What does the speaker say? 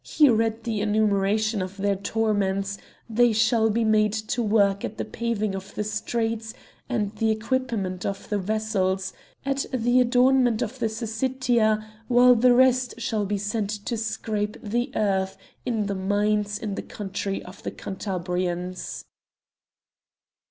He read the enumeration of their torments; they shall be made to work at the paving of the streets, at the equipment of the vessels, at the adornment of the Syssitia, while the rest shall be sent to scrape the earth in the mines in the country of the Cantabrians."